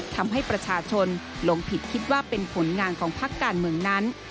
ทำให้ประชาชนหลงผิดคิดว่าเป็นผลงานของพักการเมืองนั้น